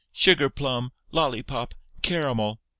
"Sugar plum! Lollipop! Caramel!"